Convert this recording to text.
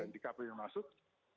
di kpu yang masuk